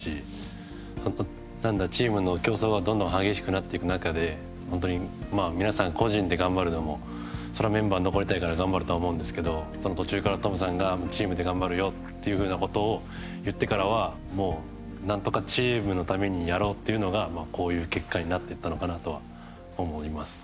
チームの雰囲気は最高ですしチームの競争がどんどん激しくなっていく中で皆さん、個人で頑張るのもそりゃメンバーに残りたいから頑張るとは思うんですけど途中からトムさんが、チームで頑張るよってことを言ってからは何とかチームのためにやろうっていうのがこういう結果になっていったのかなと思います。